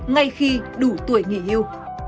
ngay khi đủ tuổi nghỉ hưu